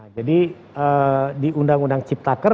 jadi di undang undang ciptaker